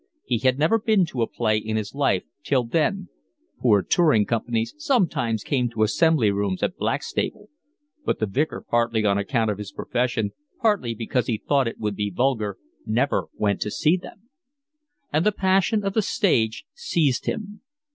He had never been to a play in his life till then (poor touring companies sometimes came to the Assembly Rooms at Blackstable, but the Vicar, partly on account of his profession, partly because he thought it would be vulgar, never went to see them) and the passion of the stage seized him.